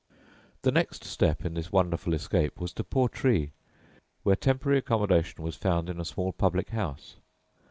The next step in this wonderful escape was to Portree, where temporary accommodation was found in a small public house.